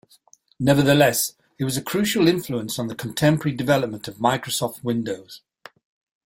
Nevertheless, it was a crucial influence on the contemporary development of Microsoft Windows.